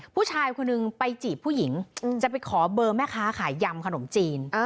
ผู้ชายคนหนึ่งไปจีบผู้หญิงจะไปขอเบอร์แม่ค้าขายยำขนมจีน